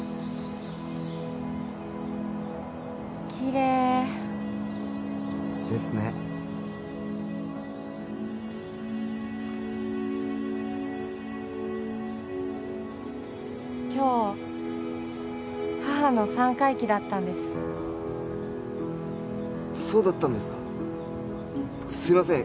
きれいですね今日母の三回忌だったんですそうだったんですかすいません